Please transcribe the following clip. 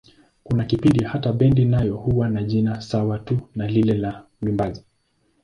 Kuna kipindi hata bendi nayo huwa na jina sawa tu na lile la mwimbaji.